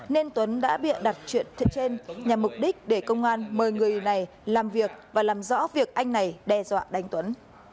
nên tuấn đã bịa đặt chuyện trên nhằm mục đích để công an mời người này làm việc và làm rõ việc anh này đe dọa đánh tuấn